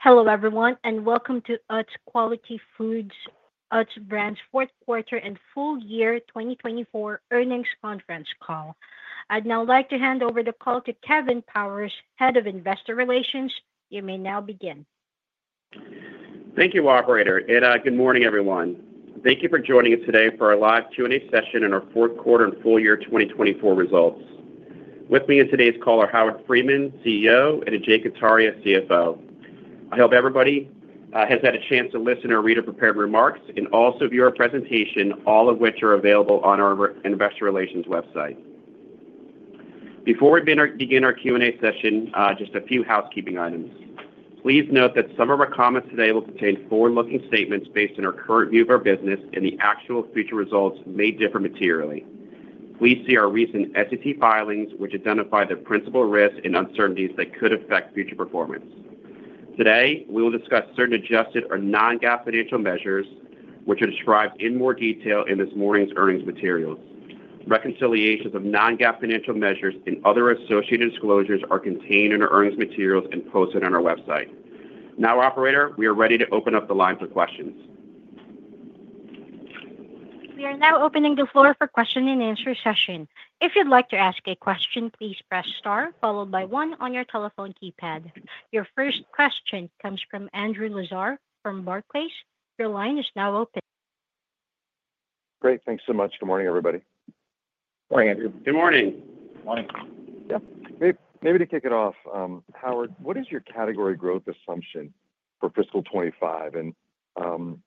Hello, everyone, and welcome to Utz Quality Foods' Utz Brands Fourth Quarter and Full Year 2024 Earnings Conference Call. I'd now like to hand over the call to Kevin Powers, Head of Investor Relations. You may now begin. Thank you, Operator, and good morning, everyone. Thank you for joining us today for our live Q&A session on our Fourth Quarter and Full Year 2024 results. With me on today's call are Howard Friedman, CEO, and Ajay Kataria, CFO. I hope everybody has had a chance to listen or read our prepared remarks and also view our presentation, all of which are available on our Investor Relations website. Before we begin our Q&A session, just a few housekeeping items. Please note that some of our comments today will contain forward-looking statements based on our current view of our business, and the actual future results may differ materially. Please see our recent SEC filings, which identify the principal risks and uncertainties that could affect future performance. Today, we will discuss certain adjusted or non-GAAP financial measures, which are described in more detail in this morning's earnings materials. Reconciliations of non-GAAP financial measures and other associated disclosures are contained in our earnings materials and posted on our website. Now, Operator, we are ready to open up the line for questions. We are now opening the floor for question and answer session. If you'd like to ask a question, please press star followed by one on your telephone keypad. Your first question comes from Andrew Lazar from Barclays. Your line is now open. Great. Thanks so much. Good morning, everybody. Morning, Andrew. Good morning. Yeah. Maybe to kick it off, Howard, what is your category growth assumption for fiscal 2025? And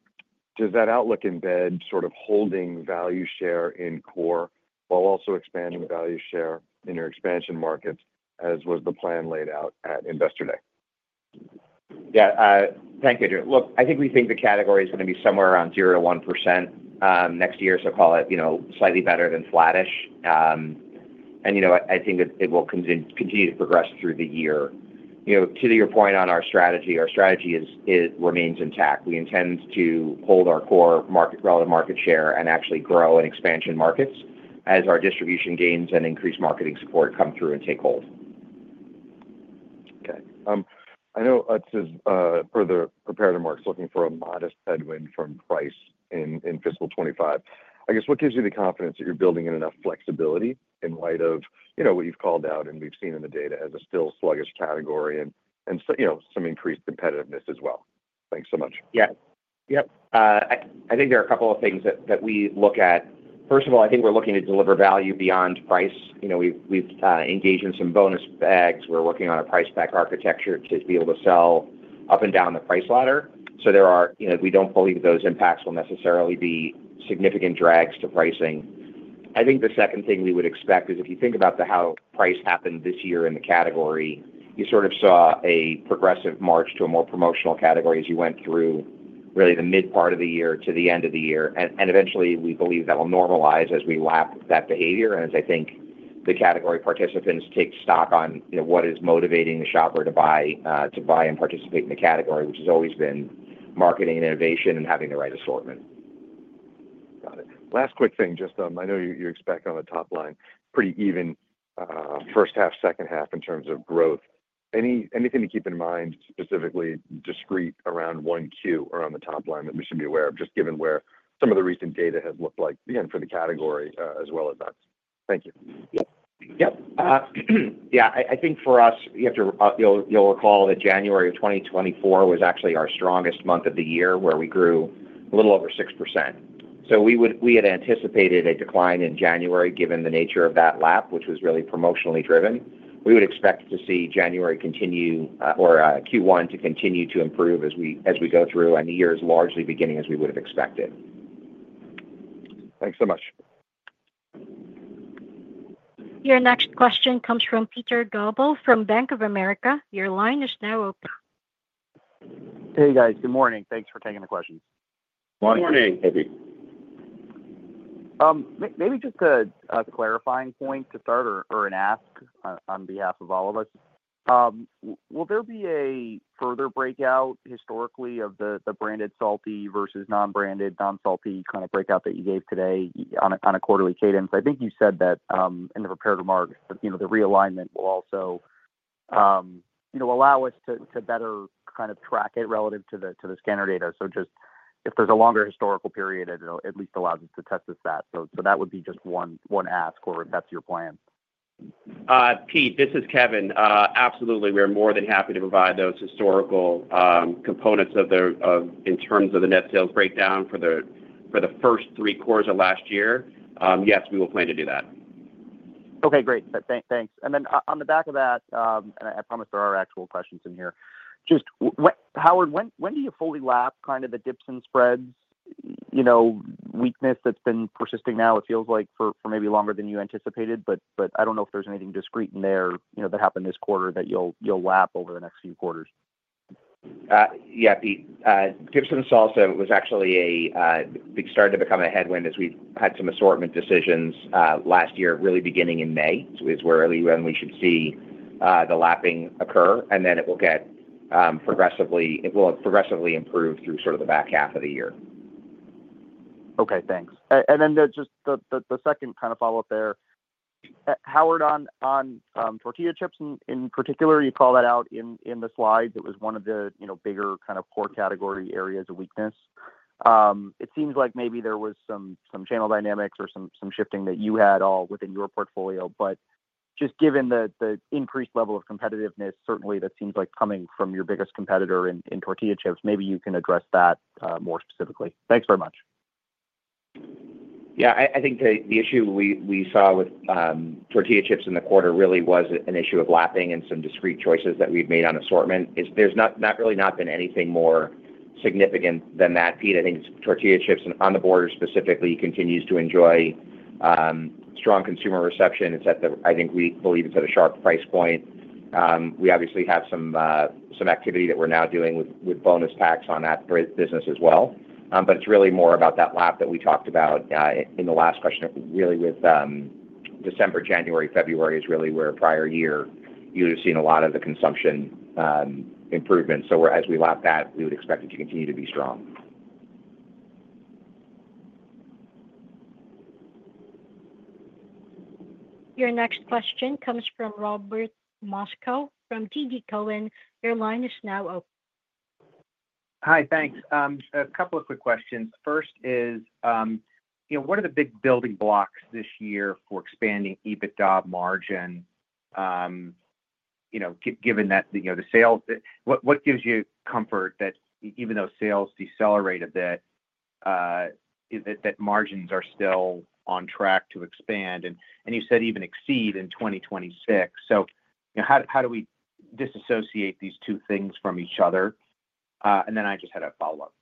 does that outlook embed sort of holding value share in core while also expanding value share in your expansion markets, as was the plan laid out at Investor Day? Yeah. Thanks, Andrew. Look, I think we think the category is going to be somewhere around 0%-1% next year, so call it slightly better than flattish. And I think it will continue to progress through the year. To your point on our strategy, our strategy remains intact. We intend to hold our core relative market share and actually grow in expansion markets as our distribution gains and increased marketing support come through and take hold. Okay. I know Utz is, per the prepared remarks, looking for a modest headwind from price in fiscal 2025. I guess, what gives you the confidence that you're building in enough flexibility in light of what you've called out and we've seen in the data as a still sluggish category and some increased competitiveness as well? Thanks so much. Yeah. Yep. I think there are a couple of things that we look at. First of all, I think we're looking to deliver value beyond price. We've engaged in some bonus bags. We're working on a price pack architecture to be able to sell up and down the price ladder. So we don't believe those impacts will necessarily be significant drags to pricing. I think the second thing we would expect is if you think about how price happened this year in the category, you sort of saw a progressive march to a more promotional category as you went through really the mid part of the year to the end of the year. Eventually, we believe that will normalize as we lap that behavior and as I think the category participants take stock on what is motivating the shopper to buy and participate in the category, which has always been marketing and innovation and having the right assortment. Got it. Last quick thing. Just, I know you expect on the top line pretty even first half, second half in terms of growth. Anything to keep in mind, specifically discrete around one Q or on the top line that we should be aware of, just given where some of the recent data has looked like for the category as well as that? Thank you. Yep. Yeah. I think for us, you'll recall that January of 2024 was actually our strongest month of the year where we grew a little over 6%. So we had anticipated a decline in January given the nature of that lap, which was really promotionally driven. We would expect to see January continue or Q1 to continue to improve as we go through and the year is largely beginning as we would have expected. Thanks so much. Your next question comes from Peter Galbo from Bank of America. Your line is now open. Hey, guys. Good morning. Thanks for taking the questions. Morning. Morning. Maybe just a clarifying point to start or an ask on behalf of all of us. Will there be a further breakout historically of the branded salty versus non-branded, non-salty kind of breakout that you gave today on a quarterly cadence? I think you said that in the prepared remarks that the realignment will also allow us to better kind of track it relative to the scanner data. So just if there's a longer historical period, it at least allows us to test us that. So that would be just one ask or if that's your plan. Pete, this is Kevin. Absolutely. We are more than happy to provide those historical components in terms of the net sales breakdown for the first three quarters of last year. Yes, we will plan to do that. Okay. Great. Thanks. And then on the back of that, and I promise there are actual questions in here. Just, Howard, when do you fully lap kind of the dips and spreads weakness that's been persisting now? It feels like for maybe longer than you anticipated, but I don't know if there's anything discrete in there that happened this quarter that you'll lap over the next few quarters. Yeah, Pete. Dips and salsa was actually starting to become a headwind as we had some assortment decisions last year, really beginning in May is where we should see the lapping occur. And then it will progressively improve through sort of the back half of the year. Okay. Thanks. And then just the second kind of follow-up there. Howard, on tortilla chips in particular, you call that out in the slides. It was one of the bigger kind of core category areas of weakness. It seems like maybe there was some channel dynamics or some shifting that you had all within your portfolio. But just given the increased level of competitiveness, certainly that seems like coming from your biggest competitor in tortilla chips, maybe you can address that more specifically. Thanks very much. Yeah. I think the issue we saw with tortilla chips in the quarter really was an issue of lapping and some discrete choices that we've made on assortment. There's not really not been anything more significant than that. Pete, I think tortilla chips and On The Border specifically continues to enjoy strong consumer reception. I think we believe it's at a sharp price point. We obviously have some activity that we're now doing with bonus packs on that business as well. But it's really more about that lap that we talked about in the last question, really with December, January, February is really where prior year you would have seen a lot of the consumption improvement. So as we lap that, we would expect it to continue to be strong. Your next question comes from Robert Moskow from TD Cowen. Your line is now open. Hi. Thanks. A couple of quick questions. First is, what are the big building blocks this year for expanding EBITDA margin given that the sales? What gives you comfort that even though sales decelerate a bit, that margins are still on track to expand? And you said even exceed in 2026. So how do we disassociate these two things from each other? And then I just had a follow-up.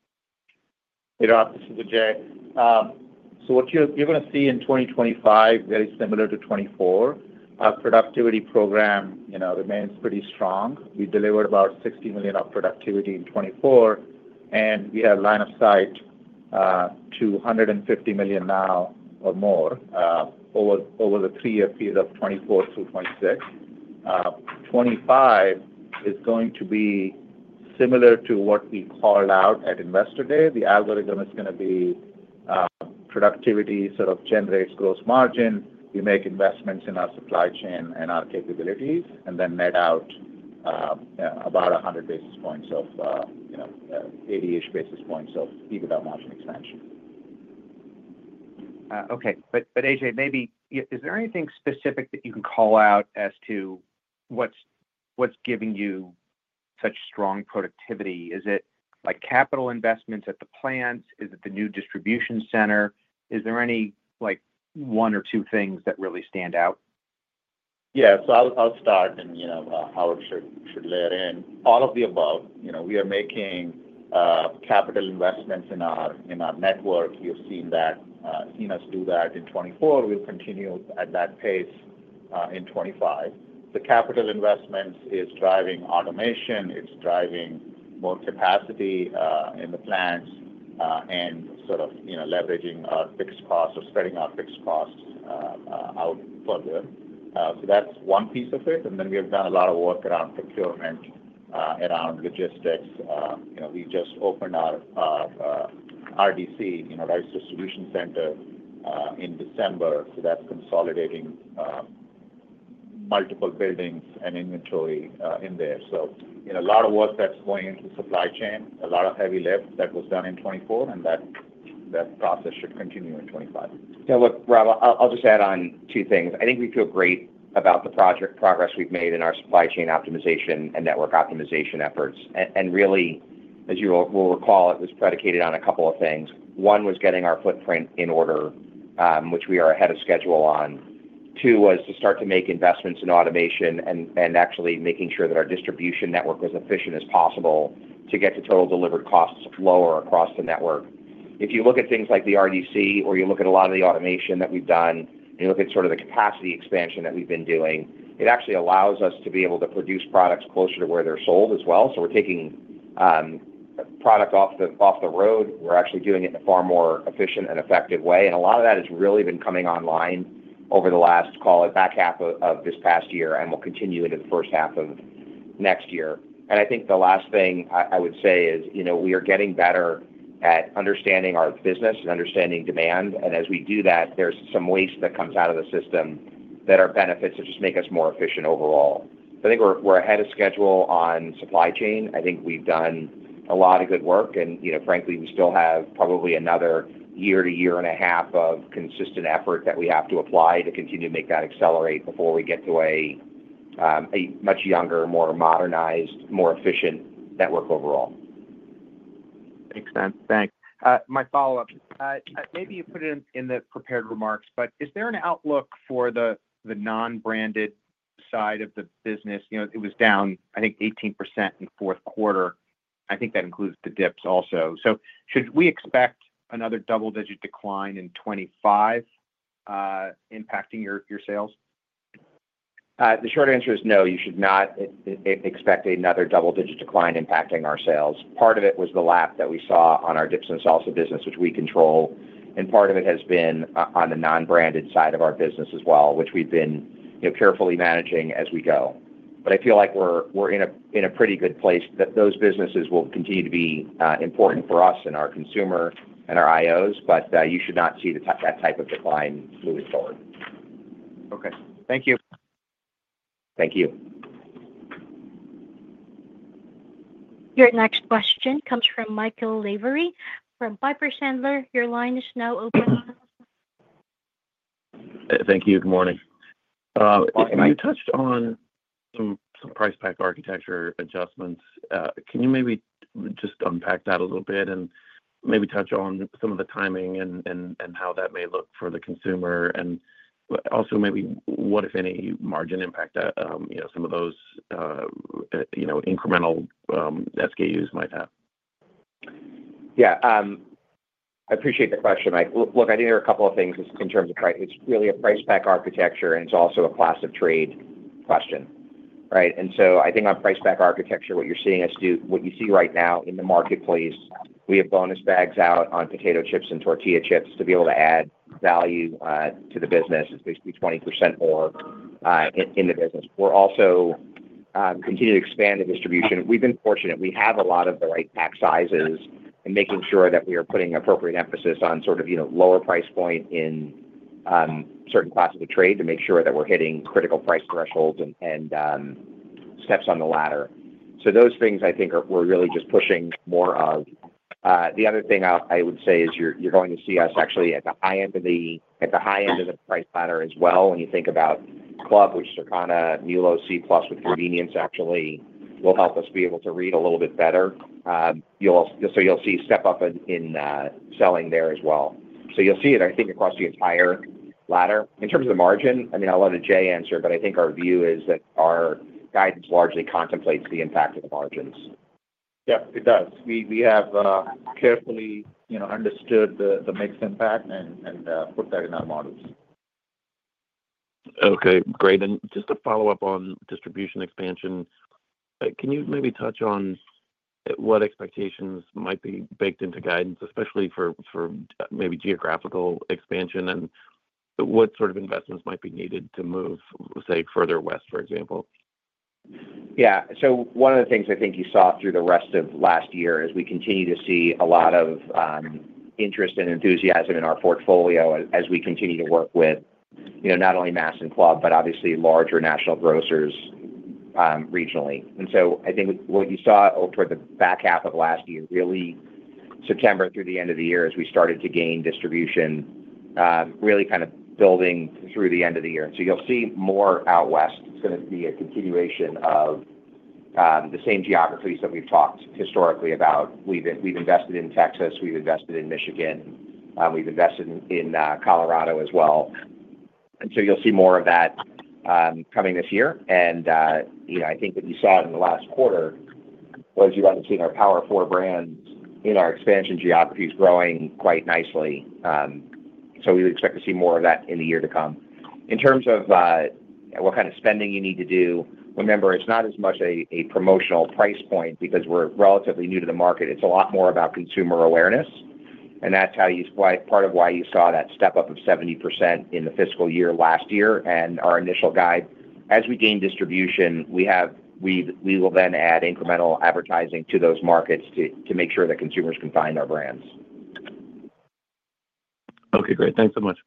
Hey, Doc. This is Ajay. What you're going to see in 2025, very similar to 2024, our productivity program remains pretty strong. We delivered about $60 million of productivity in 2024, and we have line of sight to $150 million now or more over the three-year period of 2024 through 2026. 2025 is going to be similar to what we called out at Investor Day. The algorithm is going to be productivity sort of generates gross margin. We make investments in our supply chain and our capabilities, and then net out about 100 basis points of 80-ish basis points of EBITDA margin expansion. Okay, but Ajay, maybe is there anything specific that you can call out as to what's giving you such strong productivity? Is it capital investments at the plants? Is it the new distribution center? Is there any one or two things that really stand out? Yeah. So I'll start, and Howard should weigh in. All of the above. We are making capital investments in our network. You've seen us do that in 2024. We'll continue at that pace in 2025. The capital investments is driving automation. It's driving more capacity in the plants and sort of leveraging our fixed costs or spreading our fixed costs out further. So that's one piece of it. And then we have done a lot of work around procurement, around logistics. We just opened our RDC Distribution Center, in December. So that's consolidating multiple buildings and inventory in there. So a lot of work that's going into the supply chain, a lot of heavy lift that was done in 2024, and that process should continue in 2025. Yeah. I'll just add on two things. I think we feel great about the progress we've made in our supply chain optimization and network optimization efforts. And really, as you will recall, it was predicated on a couple of things. One was getting our footprint in order, which we are ahead of schedule on. Two was to start to make investments in automation and actually making sure that our distribution network was as efficient as possible to get the total delivered costs lower across the network. If you look at things like the RDC or you look at a lot of the automation that we've done and you look at sort of the capacity expansion that we've been doing, it actually allows us to be able to produce products closer to where they're sold as well. So we're taking product off the road. We're actually doing it in a far more efficient and effective way. And a lot of that has really been coming online over the last, call it, back half of this past year and will continue into the first half of next year. and I think the last thing I would say is we are getting better at understanding our business and understanding demand. And as we do that, there's some waste that comes out of the system that are benefits that just make us more efficient overall. So I think we're ahead of schedule on supply chain. I think we've done a lot of good work. And frankly, we still have probably another year to year and a half of consistent effort that we have to apply to continue to make that accelerate before we get to a much younger, more modernized, more efficient network overall. Makes sense. Thanks. My follow-up. Maybe you put it in the prepared remarks, but is there an outlook for the non-branded side of the business? It was down, I think, 18% in fourth quarter. I think that includes the dips also. So should we expect another double-digit decline in 2025 impacting your sales? The short answer is no. You should not expect another double-digit decline impacting our sales. Part of it was the lap that we saw on our dips and salsa business, which we control, and part of it has been on the non-branded side of our business as well, which we've been carefully managing as we go, but I feel like we're in a pretty good place that those businesses will continue to be important for us and our consumer and our IOs, but you should not see that type of decline moving forward. Okay. Thank you. Thank you. Your next question comes from Michael Lavery from Piper Sandler. Your line is now open. Thank you. Good morning. You touched on some price pack architecture adjustments. Can you maybe just unpack that a little bit and maybe touch on some of the timing and how that may look for the consumer? And also maybe what, if any, margin impact some of those incremental SKUs might have? Yeah. I appreciate the question. Look, I think there are a couple of things in terms of price. It's really a price pack architecture, and it's also a class of trade question. Right? And so I think on price pack architecture, what you're seeing us do, what you see right now in the marketplace, we have bonus bags out on potato chips and tortilla chips to be able to add value to the business. It's basically 20% more in the business. We're also continuing to expand the distribution. We've been fortunate. We have a lot of the right pack sizes and making sure that we are putting appropriate emphasis on sort of lower price point in certain classes of trade to make sure that we're hitting critical price thresholds and steps on the ladder. So those things, I think, we're really just pushing more of. The other thing I would say is you're going to see us actually at the high end of the price ladder as well. When you think about Club, which is Circana, MULO, C-Store with convenience actually will help us be able to read a little bit better. So you'll see step up in selling there as well. So you'll see it, I think, across the entire ladder. In terms of the margin, I mean, I'll let Ajay answer, but I think our view is that our guidance largely contemplates the impact of the margins. Yeah, it does. We have carefully understood the mixed impact and put that in our models. Okay. Great. And just to follow up on distribution expansion, can you maybe touch on what expectations might be baked into guidance, especially for maybe geographical expansion and what sort of investments might be needed to move, say, further west, for example? Yeah. So one of the things I think you saw through the rest of last year is we continue to see a lot of interest and enthusiasm in our portfolio as we continue to work with not only Mass and Club, but obviously larger national grocers regionally. And so I think what you saw over the back half of last year, really September through the end of the year as we started to gain distribution, really kind of building through the end of the year. So you'll see more out west. It's going to be a continuation of the same geographies that we've talked historically about. We've invested in Texas. We've invested in Michigan. We've invested in Colorado as well. And so you'll see more of that coming this year. I think what you saw in the last quarter was you got to see our Power 4 brands in our expansion geographies growing quite nicely. So we would expect to see more of that in the year to come. In terms of what kind of spending you need to do, remember, it's not as much a promotional price point because we're relatively new to the market. It's a lot more about consumer awareness. That's part of why you saw that step up of 70% in the fiscal year last year. Our initial guide, as we gain distribution, we will then add incremental advertising to those markets to make sure that consumers can find our brands. Okay. Great. Thanks so much.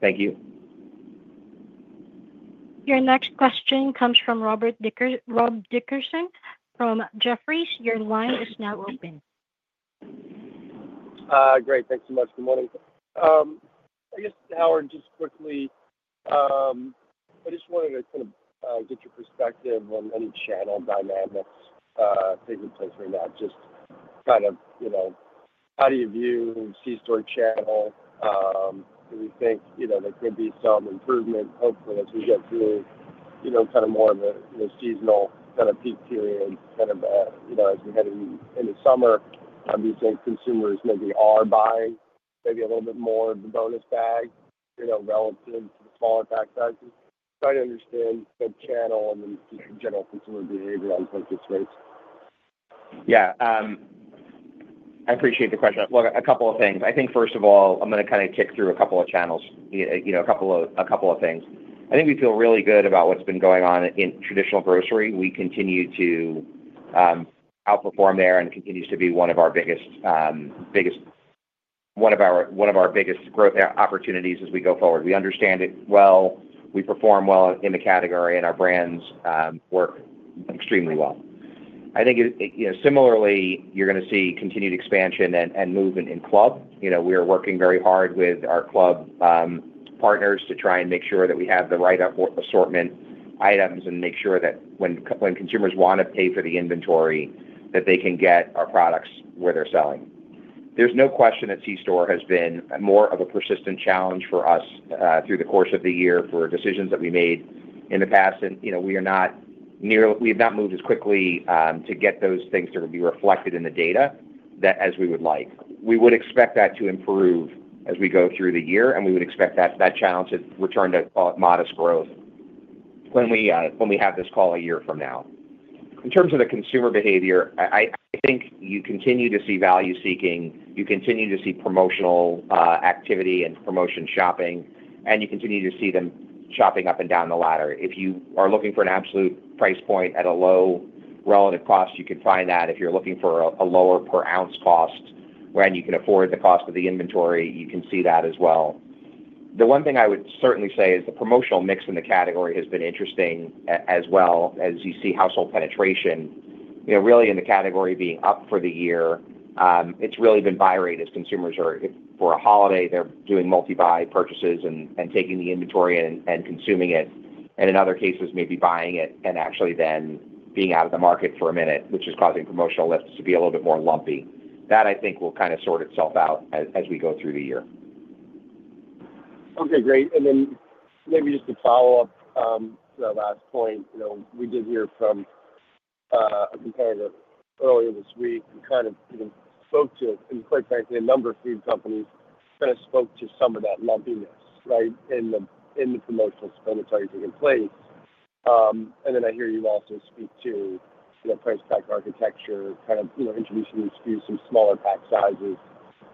Thank you. Your next question comes from Rob Dickerson from Jefferies. Your line is now open. Great. Thanks so much. Good morning. I guess, Howard, just quickly, I just wanted to kind of get your perspective on any channel dynamics taking place right now. Just kind of how do you view C-Store channel? Do you think there could be some improvement, hopefully, as we get through kind of more of the seasonal kind of peak period, kind of as we head into summer? Do you think consumers maybe are buying maybe a little bit more of the bonus bag relative to the smaller pack sizes? Trying to understand the channel and the general consumer behavior on purchase rates. Yeah. I appreciate the question. A couple of things. I think, first of all, I'm going to kind of kick through a couple of channels, a couple of things. I think we feel really good about what's been going on in traditional grocery. We continue to outperform there and continue to be one of our biggest growth opportunities as we go forward. We understand it well. We perform well in the category, and our brands work extremely well. I think similarly, you're going to see continued expansion and movement in Club. We are working very hard with our Club partners to try and make sure that we have the right assortment items and make sure that when consumers want to pay for the inventory, that they can get our products where they're selling. There's no question that C-Store has been more of a persistent challenge for us through the course of the year for decisions that we made in the past. We have not moved as quickly to get those things to be reflected in the data as we would like. We would expect that to improve as we go through the year, and we would expect that challenge to return to modest growth when we have this call a year from now. In terms of the consumer behavior, I think you continue to see value seeking. You continue to see promotional activity and promotion shopping, and you continue to see them shopping up and down the ladder. If you are looking for an absolute price point at a low relative cost, you can find that. If you're looking for a lower per ounce cost when you can afford the cost of the inventory, you can see that as well. The one thing I would certainly say is the promotional mix in the category has been interesting as well, as you see household penetration. Really, in the category being up for the year, it's really been buy rate as consumers are for a holiday; they're doing multi-buy purchases and taking the inventory and consuming it, and in other cases, maybe buying it and actually then being out of the market for a minute, which is causing promotional lift to be a little bit more lumpy. That, I think, will kind of sort itself out as we go through the year. Okay. Great. And then maybe just to follow up to that last point, we did hear from a competitor earlier this week who kind of spoke to, quite frankly, a number of food companies kind of spoke to some of that lumpiness, right, in the promotional spending taking place. And then I hear you also speak to price pack architecture, kind of introducing these few smaller pack sizes.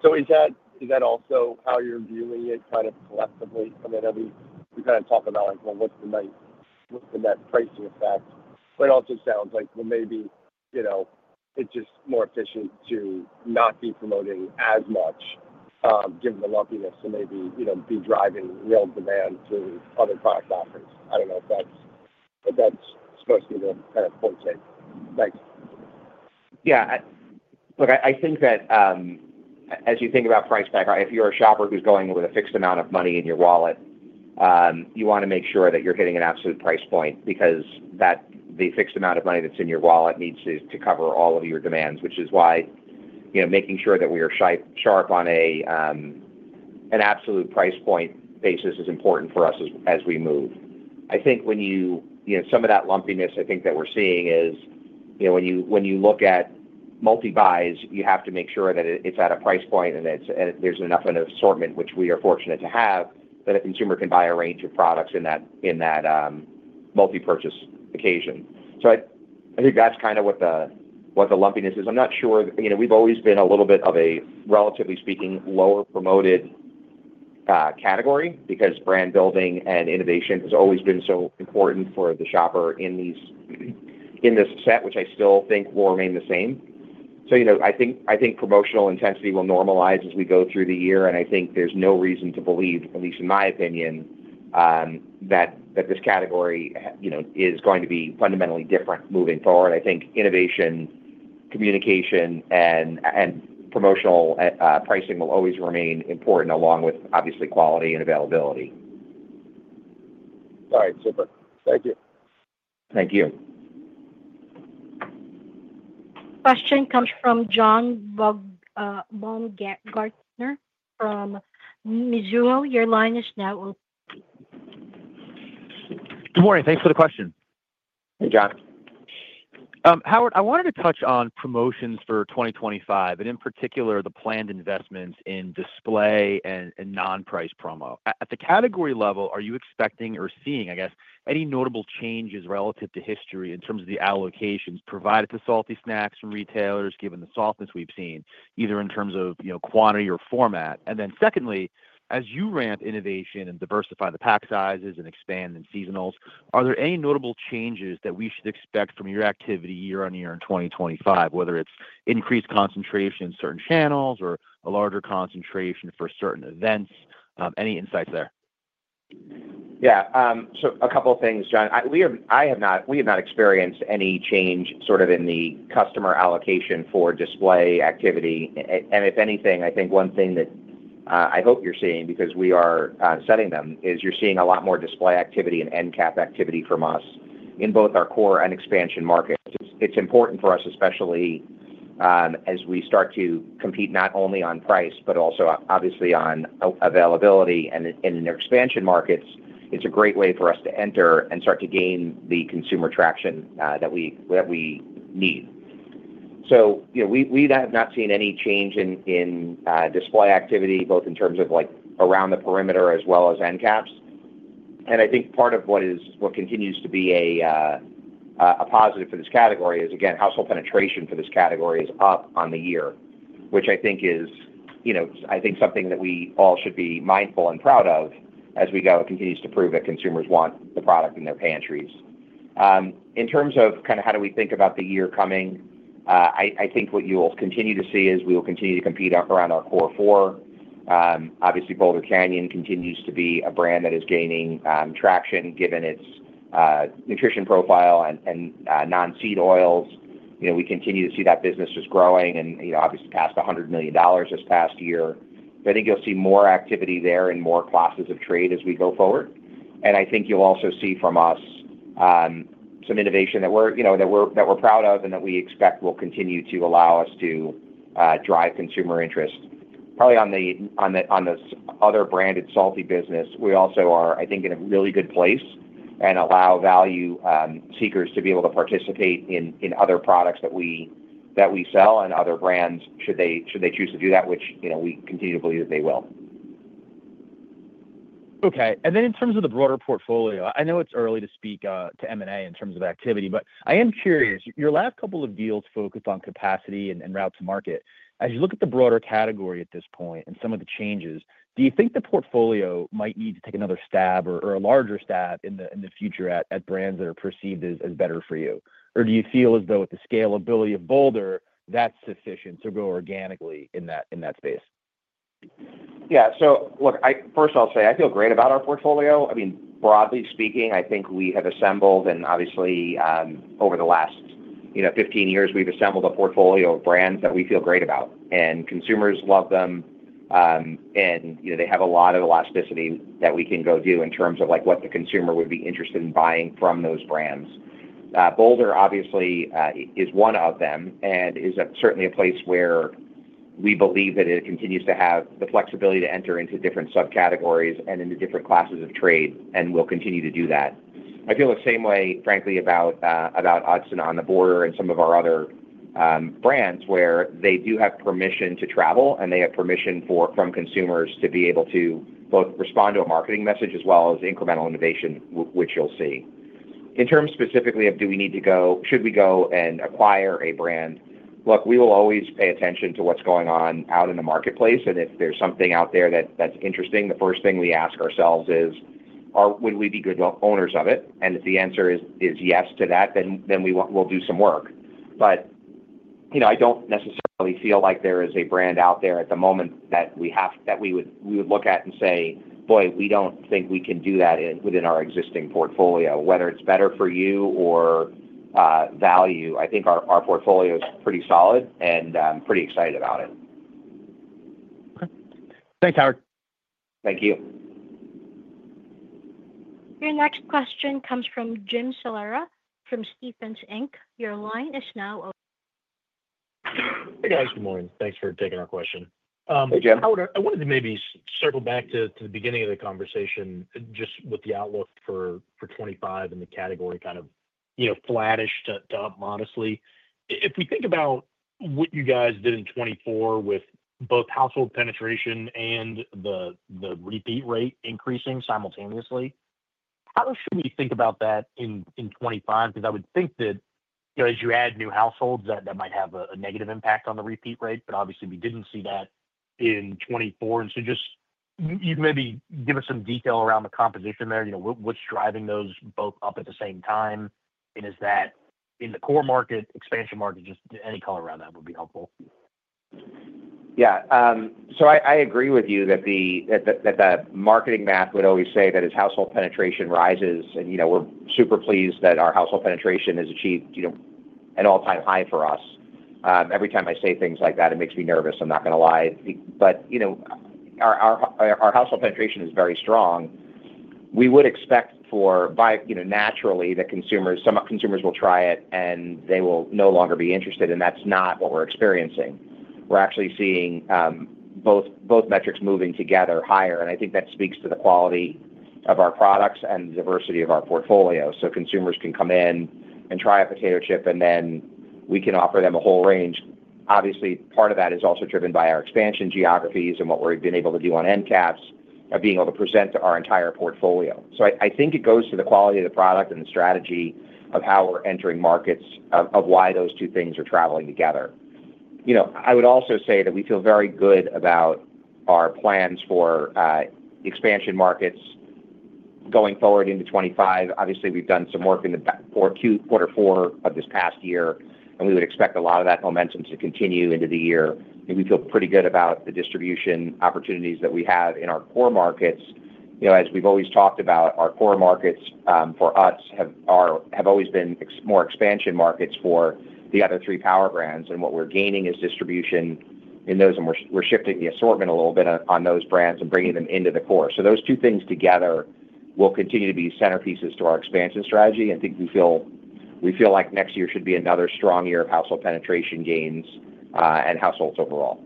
So is that also how you're viewing it kind of collectively? I mean, we kind of talk about, well, what's the net pricing effect, but it also sounds like, well, maybe it's just more efficient to not be promoting as much given the lumpiness and maybe be driving real demand through other product offerings. I don't know if that's supposed to be the kind of point take. Thanks. Yeah. Look, I think that as you think about price pack, if you're a shopper who's going with a fixed amount of money in your wallet, you want to make sure that you're hitting an absolute price point because the fixed amount of money that's in your wallet needs to cover all of your demands, which is why making sure that we are sharp on an absolute price point basis is important for us as we move. I think when you smooth some of that lumpiness, I think that what we're seeing is when you look at multi-buys, you have to make sure that it's at a price point and there's enough of an assortment, which we are fortunate to have, that a consumer can buy a range of products in that multi-purchase occasion. So I think that's kind of what the lumpiness is. I'm not sure. We've always been a little bit of a, relatively speaking, lower-promoted category because brand building and innovation has always been so important for the shopper in this set, which I still think will remain the same. So I think promotional intensity will normalize as we go through the year. And I think there's no reason to believe, at least in my opinion, that this category is going to be fundamentally different moving forward. I think innovation, communication, and promotional pricing will always remain important along with, obviously, quality and availability. All right. Super. Thank you. Thank you. Question comes from John Baumgartner from Mizuho. Your line is now open. Good morning. Thanks for the question. Hey, John. Howard, I wanted to touch on promotions for 2025, and in particular, the planned investments in display and non-price promo. At the category level, are you expecting or seeing, I guess, any notable changes relative to history in terms of the allocations provided to salty snacks from retailers given the softness we've seen, either in terms of quantity or format? And then secondly, as you ramp innovation and diversify the pack sizes and expand in seasonals, are there any notable changes that we should expect from your activity year on year in 2025, whether it's increased concentration in certain channels or a larger concentration for certain events? Any insights there? Yeah. So a couple of things, John. We have not experienced any change sort of in the customer allocation for display activity. And if anything, I think one thing that I hope you're seeing because we are setting them is you're seeing a lot more display activity and end cap activity from us in both our core and expansion markets. It's important for us, especially as we start to compete not only on price, but also, obviously, on availability. And in expansion markets, it's a great way for us to enter and start to gain the consumer traction that we need. So we have not seen any change in display activity, both in terms of around the perimeter as well as end caps. I think part of what continues to be a positive for this category is, again, household penetration for this category is up on the year, which I think is something that we all should be mindful and proud of as we go and continue to prove that consumers want the product in their pantries. In terms of kind of how do we think about the year coming, I think what you'll continue to see is we will continue to compete around our core four. Obviously, Boulder Canyon continues to be a brand that is gaining traction given its nutrition profile and non-seed oils. We continue to see that business just growing and obviously past $100 million this past year. I think you'll see more activity there and more classes of trade as we go forward. And I think you'll also see from us some innovation that we're proud of and that we expect will continue to allow us to drive consumer interest. Probably on this other branded salty business, we also are, I think, in a really good place and allow value seekers to be able to participate in other products that we sell and other brands should they choose to do that, which we continue to believe that they will. Okay. And then in terms of the broader portfolio, I know it's early to speak to M&A in terms of activity, but I am curious. Your last couple of deals focused on capacity and route to market. As you look at the broader category at this point and some of the changes, do you think the portfolio might need to take another stab or a larger stab in the future at brands that are perceived as better for you? Or do you feel as though with the scalability of Boulder, that's sufficient to go organically in that space? Yeah. So look, first I'll say I feel great about our portfolio. I mean, broadly speaking, I think we have assembled, and obviously, over the last 15 years, we've assembled a portfolio of brands that we feel great about, and consumers love them, and they have a lot of elasticity that we can go do in terms of what the consumer would be interested in buying from those brands. Boulder, obviously, is one of them and is certainly a place where we believe that it continues to have the flexibility to enter into different subcategories and into different classes of trade and will continue to do that. I feel the same way, frankly, about Utz's On The Border and some of our other brands where they do have permission to travel, and they have permission from consumers to be able to both respond to a marketing message as well as incremental innovation, which you'll see. In terms specifically of do we need to go, should we go and acquire a brand, look, we will always pay attention to what's going on out in the marketplace. And if there's something out there that's interesting, the first thing we ask ourselves is, would we be good owners of it? And if the answer is yes to that, then we'll do some work. But I don't necessarily feel like there is a brand out there at the moment that we would look at and say, "Boy, we don't think we can do that within our existing portfolio." Whether it's better for you or value, I think our portfolio is pretty solid and I'm pretty excited about it. Okay. Thanks, Howard. Thank you. Your next question comes from Jim Salera from Stephens Inc. Your line is now open. Hey, guys. Good morning. Thanks for taking our question. Hey, Jim. Howard, I wanted to maybe circle back to the beginning of the conversation just with the outlook for 2025 and the category kind of flattish to up modestly. If we think about what you guys did in 2024 with both household penetration and the repeat rate increasing simultaneously, how should we think about that in 2025? Because I would think that as you add new households, that might have a negative impact on the repeat rate, but obviously, we didn't see that in 2024. And so just you can maybe give us some detail around the composition there. What's driving those both up at the same time? And is that in the core market, expansion market, just any color around that would be helpful. Yeah. So I agree with you that the marketing math would always say that as household penetration rises, and we're super pleased that our household penetration has achieved an all-time high for us. Every time I say things like that, it makes me nervous. I'm not going to lie. But our household penetration is very strong. We would expect, naturally, that consumers, some consumers will try it, and they will no longer be interested. And that's not what we're experiencing. We're actually seeing both metrics moving together higher. And I think that speaks to the quality of our products and the diversity of our portfolio. So consumers can come in and try a potato chip, and then we can offer them a whole range. Obviously, part of that is also driven by our expansion geographies and what we've been able to do on end caps of being able to present our entire portfolio. So I think it goes to the quality of the product and the strategy of how we're entering markets, of why those two things are traveling together. I would also say that we feel very good about our plans for expansion markets going forward into 2025. Obviously, we've done some work in the Q4 of this past year, and we would expect a lot of that momentum to continue into the year. We feel pretty good about the distribution opportunities that we have in our core markets. As we've always talked about, our core markets for us have always been more expansion markets for the other three power brands. And what we're gaining is distribution in those, and we're shifting the assortment a little bit on those brands and bringing them into the core. So those two things together will continue to be centerpieces to our expansion strategy. I think we feel like next year should be another strong year of household penetration gains and households overall.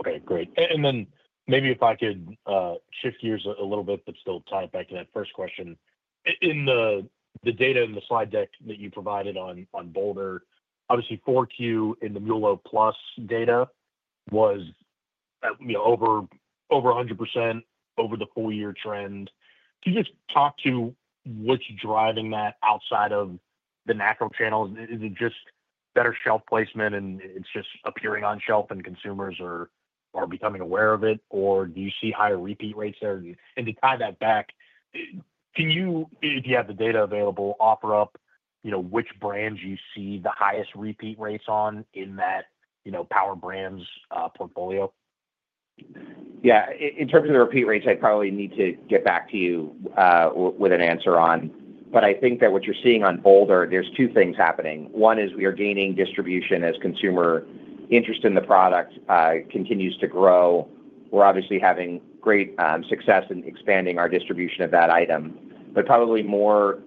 Okay. Great. And then maybe if I could shift gears a little bit, but still tie it back to that first question. In the data and the slide deck that you provided on Boulder, obviously, 4Q in the MULO+ data was over 100% over the full-year trend. Can you just talk to what's driving that outside of the macro channels? Is it just better shelf placement, and it's just appearing on shelf, and consumers are becoming aware of it? Or do you see higher repeat rates there? And to tie that back, can you, if you have the data available, offer up which brands you see the highest repeat rates on in that power brands portfolio? Yeah. In terms of the repeat rates, I probably need to get back to you with an answer on. But I think that what you're seeing on Boulder, there's two things happening. One is we are gaining distribution as consumer interest in the product continues to grow. We're obviously having great success in expanding our distribution of that item. But probably more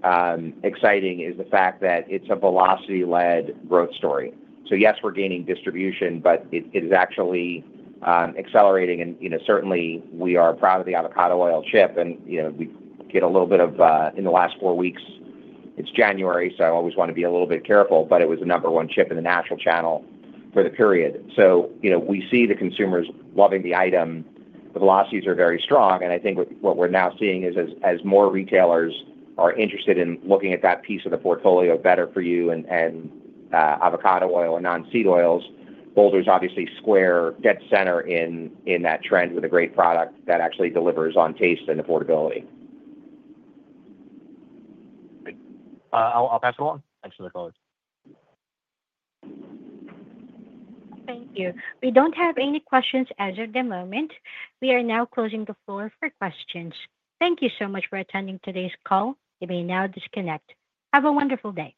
exciting is the fact that it's a velocity-led growth story. So yes, we're gaining distribution, but it is actually accelerating. And certainly, we are proud of the avocado oil chip. And we get a little bit of in the last four weeks, it's January, so I always want to be a little bit careful, but it was the number one chip in the Natural channel for the period. So we see the consumers loving the item. The velocities are very strong. I think what we're now seeing is as more retailers are interested in looking at that piece of the portfolio, better for you and avocado oil and non-seed oils. Boulder is obviously square dead center in that trend with a great product that actually delivers on taste and affordability. Great. I'll pass it along. Thanks for the call. Thank you. We don't have any questions as of the moment. We are now closing the floor for questions. Thank you so much for attending today's call. You may now disconnect. Have a wonderful day.